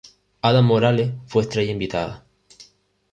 Ada Morales fue estrella invitada.